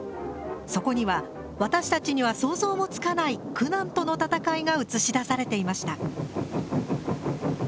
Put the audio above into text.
そこには私たちには想像もつかない苦難との戦いが映し出されていました。